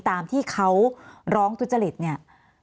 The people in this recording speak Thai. ตามที่เขาร้องทุจริตเนี่ย